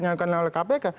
yang dilakukan oleh kpk